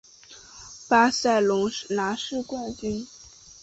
巴塞隆拿是冠军。